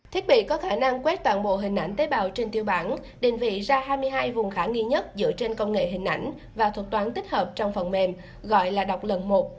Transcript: thiết bị có khả năng quét toàn bộ hình ảnh tế bào trên tiêu bản định vị ra hai mươi hai vùng khả nghi nhất dựa trên công nghệ hình ảnh và thuật toán tích hợp trong phần mềm gọi là đọc lần một